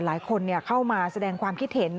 หลายคนเข้ามาแสดงความคิดเห็น